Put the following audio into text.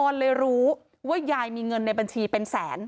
เลยรู้ว่ายายมีเงินในบัญชีเป็นแสน